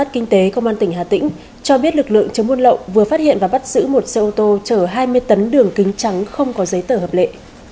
kinh tế công an tỉnh hà tĩnh cho biết lực lượng chống buôn lậu vừa phát hiện và bắt giữ một xe ô tô chở hai mươi tấn đường kính trắng không có giấy tờ hợp lệ